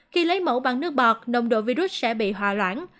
khi lấy mẫu bằng nước bọt nồng độ virus sẽ bị hòa loạn